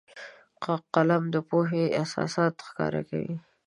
قلم د پوهې اساسات ښکاره کوي